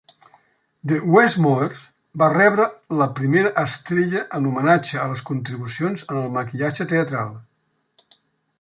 The Westmores va rebre la primera estrella en homenatge a les contribucions en el maquillatge teatral.